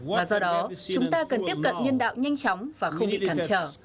và do đó chúng ta cần tiếp cận nhân đạo nhanh chóng và không bị cản trở